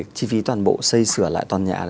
à để chi phí toàn bộ xây sửa lại toàn nhà đấy không